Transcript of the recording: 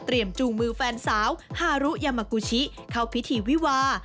จูงมือแฟนสาวฮารุยามากูชิเข้าพิธีวิวา